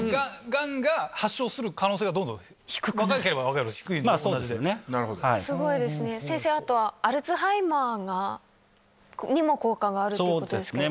がんが発症する可能性がどんすごいですね、先生、あとアルツハイマーにも効果があるということですけど。